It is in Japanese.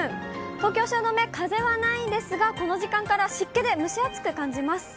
東京・汐留、風はないんですが、この時間から湿気で蒸し暑く感じます。